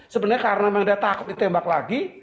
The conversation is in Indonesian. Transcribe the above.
sebenarnya karena memang dia takut ditembak lagi